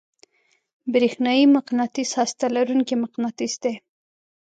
برېښنايي مقناطیس هسته لرونکی مقناطیس دی.